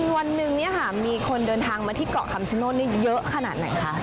วันหนึ่งมีคนเดินทางมาที่เกาะคำชโนธเยอะขนาดไหนคะ